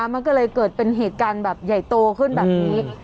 มันก็เลยเกิดเป็นเหตุการณ์แบบใหญ่โตขึ้นแบบนี้